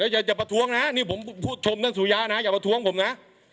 อย่าประท้วงนะนี่ผมผู้ชมท่านสุยะนะอย่าประท้วงผมนะ